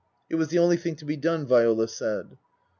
It was the only thing to be done, Viola said.